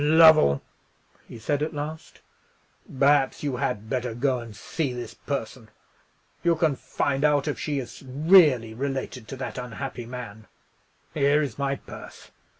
"Lovell," he said at last, "perhaps you had better go and see this person. You can find out if she is really related to that unhappy man. Here is my purse.